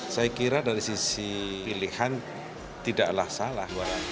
saya kira dari sisi pilihan tidaklah salah